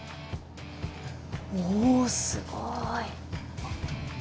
おすごい。